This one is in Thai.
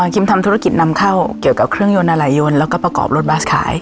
ทำธุรกิจนำเข้าเกี่ยวกับเครื่องยนต์อะไรยนต์แล้วก็ประกอบรถบัสขาย